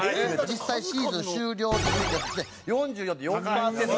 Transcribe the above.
実際シーズン終了の時にですね４４．４パーセント。